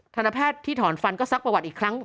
ธนแพทย์ที่ถอนฟันก็ซักประวัติอีกครั้ง